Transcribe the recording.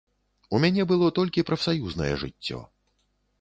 У мяне было толькі прафсаюзнае жыццё.